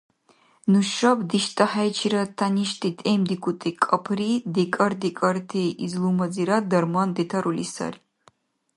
Нушаб диштӀахӀейчирад тяништи тӀемдикӀути кӀапӀри декӀар-декӀарти излумазирад дарман детарули сари.